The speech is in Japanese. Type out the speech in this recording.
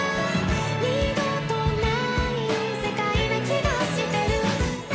「二度とない世界な気がしてる」